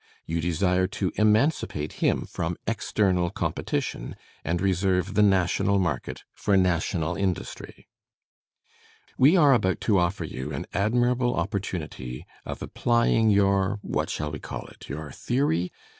You desire to emancipate him from external competition, and reserve the national market for national industry. We are about to offer you an admirable opportunity of applying your what shall we call it? your theory?